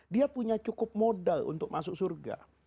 dia punya cukup modal untuk masuk surga